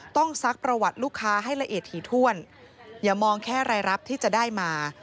ซักประวัติลูกค้าให้ละเอียดถี่ถ้วนอย่ามองแค่รายรับที่จะได้มา